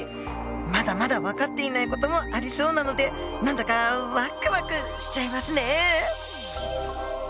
まだまだ分かっていない事もありそうなので何だかワクワクしちゃいますね！